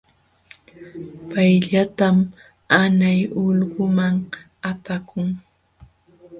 Payllaytam hanay ulquman apakun.